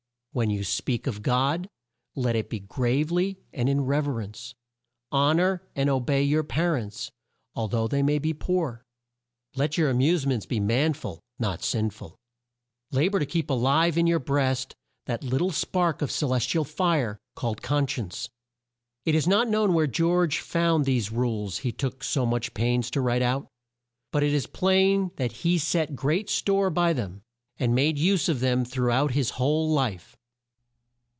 "When you speak of God, let it be grave ly and in re ver ence. Hon or and o bey your pa rents, al though they be poor. "Let your a muse ments be man ful, not sin ful. "La bor to keep a live in your breast that lit tle spark of ce les ti al fire, called con sci ence." It is not known where George found these rules he took so much pains to write out, but it is plain that he set great store by them, and made use of them through out his whole life.